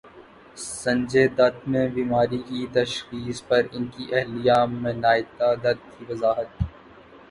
سنجے دت میں بیماری کی تشخیص پر ان کی اہلیہ منائتا دت کی وضاحت